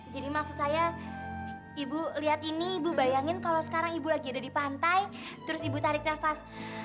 jadi maksud saya ibu lihat ini ibu bayangin kalau sekarang ibu lagi ada di pantai terus ibu tarik nafas